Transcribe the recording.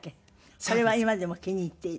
これは今でも気に入っている？